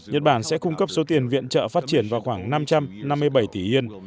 nhật bản sẽ cung cấp số tiền viện trợ phát triển vào khoảng năm trăm năm mươi bảy tỷ yên